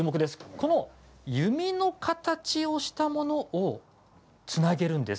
この弓の形をしたものをつなげるんです。